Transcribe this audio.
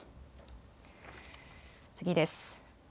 次です。